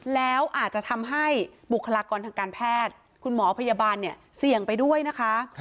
แล้วอาจจะทำให้บุคลากรทางการแพทย์คุณหมอพยาบาลเนี่ยเสี่ยงไปด้วยนะคะ